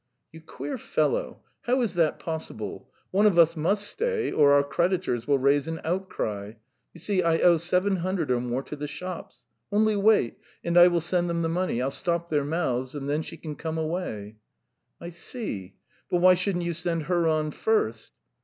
"You queer fellow. How is that possible? One of us must stay, or our creditors will raise an outcry. You see, I owe seven hundred or more to the shops. Only wait, and I will send them the money. I'll stop their mouths, and then she can come away." "I see. ... But why shouldn't you send her on first?"